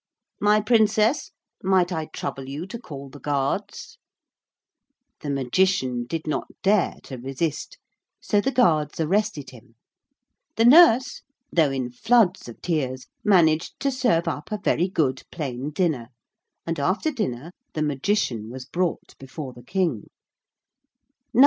My Princess, might I trouble you to call the guards.' The Magician did not dare to resist, so the guards arrested him. The nurse, though in floods of tears, managed to serve up a very good plain dinner, and after dinner the Magician was brought before the King.